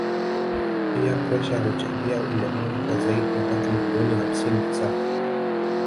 pia presha huchangia ulemavu kwa zaidi ya watu milioni hamsini na saba